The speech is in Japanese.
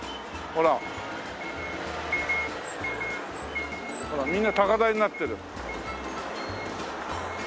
ほらみんな高台になってる。